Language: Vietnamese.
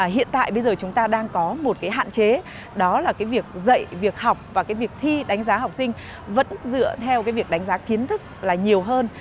hiện tại bây giờ chúng ta đang có một cái hạn chế đó là cái việc dạy việc học và cái việc thi đánh giá học sinh vẫn dựa theo cái việc đánh giá kiến thức là nhiều hơn